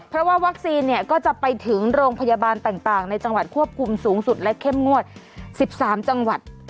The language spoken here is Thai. เพราะว่าวัคซีนก็จะไปถึงโรงพยาบาลต่างในจังหวัดควบคุมสูงสุดและเข้มงวด๑๓จังหวัด